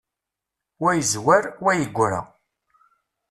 Wa yezwar, wa yegra.